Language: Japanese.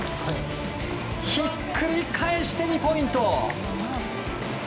ひっくり返して２ポイント！